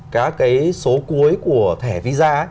cá cái số cuối của thẻ visa